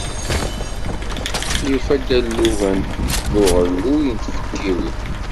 Yufa-d alugen n uɣelluy n tfekkiwin.